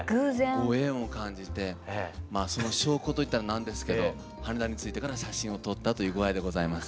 ご縁を感じてまあその証拠といったらなんですけど羽田に着いてから写真を撮ったという具合でございます。